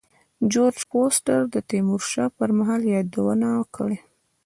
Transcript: جورج فورستر د تیمور شاه پر مهال یادونه کړې.